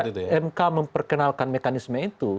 kalau kita lihat sejak mk memperkenalkan mekanisme itu